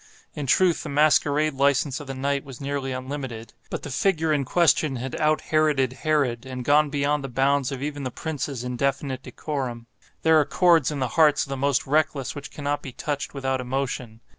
In truth the masquerade license of the night was nearly unlimited; but the figure in question had out Heroded Herod, and gone beyond the bounds of even the prince's indefinite decorum. There are chords in the hearts of the most reckless which cannot be touched without emotion.